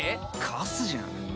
カスじゃん。